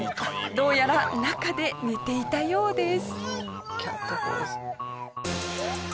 どうやら中で寝ていたようです。